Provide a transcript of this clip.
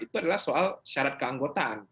itu adalah soal syarat keanggotaan